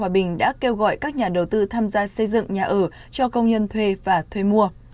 hòa bình đã kêu gọi các nhà đầu tư tham gia xây dựng nhà ở cho công nhân thuê và thuê mua